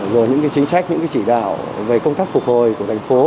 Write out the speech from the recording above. rồi những cái chính sách những cái chỉ đạo về công tác phục hồi của thành phố